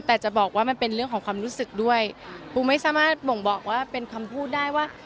แต่จะบอกว่ามันเป็นเรื่องของความรู้สึกด้วยปูไม่สามารถบ่งบอกว่าเป็นคำพูดได้ว่า